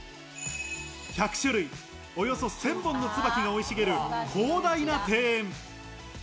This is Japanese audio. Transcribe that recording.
１００種類、およそ１０００本の椿が生い茂る広大な庭園。